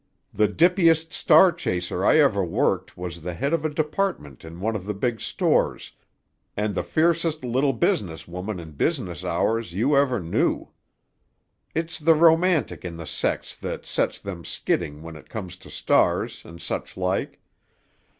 The dippiest star chaser I ever worked was the head of a department in one of the big stores, and the fiercest little business woman in business hours, you ever knew. It's the romantic in the sex that sets them skidding when it comes to stars, and such like.